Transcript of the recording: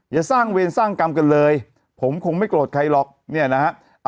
อย่าสร้างเวรสร้างกรรมกันเลยผมคงไม่โกรธใครหรอกเนี่ยนะฮะ